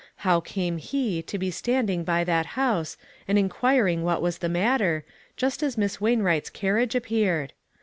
How came he to be standing by that house, and in quiring what was the matter, just as Miss Waiuwright's carnage appeared?